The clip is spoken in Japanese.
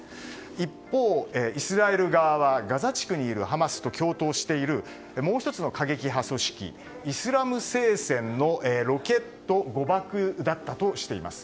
一方、イスラエル側はガザ地区にいるハマスと共闘しているもう１つの過激派組織イスラエル聖戦のロケット誤爆だったとしています。